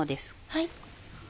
はい。